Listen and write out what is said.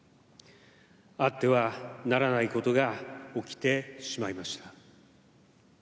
あってはならないことが起きてしまいました。